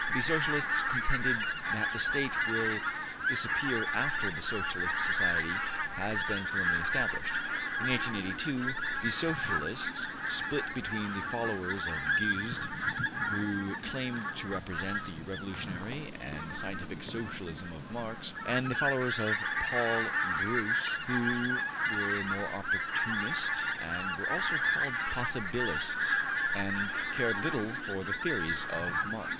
The Socialists contended that the State will disappear after the Socialist society has been firmly established. In 1882 the Socialists split between the followers of Guesde, who claimed to represent the revolutionary and scientific Socialism of Marx, and the followers of Paul Brousse, who were more opportunist and were also called possibilists and cared little for the theories of Marx.